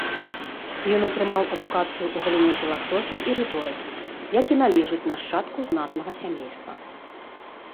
Ён атрымаў адукацыю ў галіне філасофіі і рыторыкі, як і належыць нашчадку знатнага сямейства.